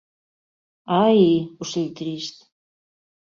Ai, ocell trist!